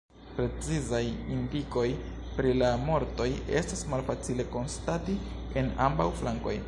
Precizaj indikoj pri la mortoj estas malfacile konstati en ambaŭ flankoj.